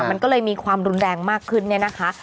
มันก็เลยมีความรุนแรงมากขึ้นเนี่ยนะคะ